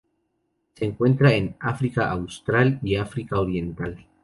Se encuentra en África austral y África Oriental.